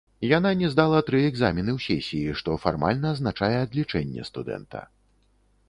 Яна не здала тры экзамены ў сесіі, што фармальна азначае адлічэнне студэнта.